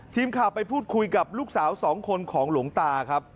ทีมข่าวไปพูดคุยกับลูกสาวสองคนของหลวงตาครับ